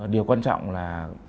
điều quan trọng là